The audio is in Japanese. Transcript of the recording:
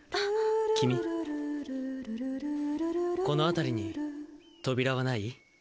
君、この辺りに扉はない？